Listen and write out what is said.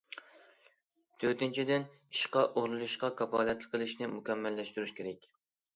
تۆتىنچىدىن، ئىشقا ئورۇنلىشىشقا كاپالەتلىك قىلىشنى مۇكەممەللەشتۈرۈش كېرەك.